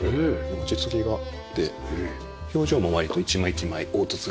落ち着きがあって表情も割と一枚一枚凹凸があったり。